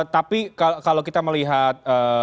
tapi kalau kita melihat